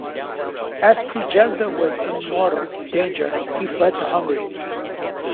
As Prijezda was in mortal danger, he fled to Hungary.